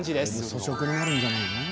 和食になるんじゃないの？